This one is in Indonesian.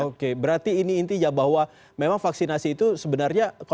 oke berarti ini intinya bahwa memang vaksinasi itu sebenarnya kalau bagi kita